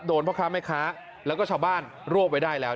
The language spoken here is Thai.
พ่อค้าแม่ค้าแล้วก็ชาวบ้านรวบไว้ได้แล้ว